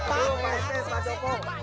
pak dia pak